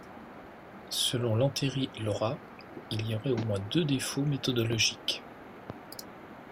Selon Lanteri-Laura, il y aurait au moins deux défauts méthodologiques.